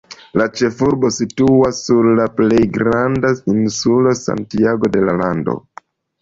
La ĉefurbo situas sur la plej granda insulo Santiago de la lando.